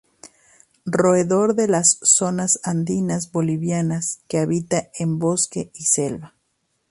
Roedor de las zonas andinas bolivianas, que habita en bosques y selva.